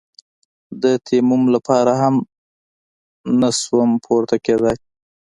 د تيمم لپاره هم نسوم پورته کېداى.